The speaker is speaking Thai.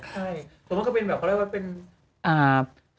สมมุติก็เป็นแบบเขาเรียกว่าเป็น